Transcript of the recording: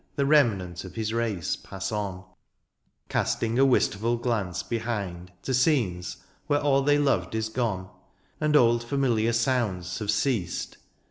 The remnant of his race pass on, Castmg a wistful glance behind To scenes where all they loved is gone. And old familiar sounds have ceased.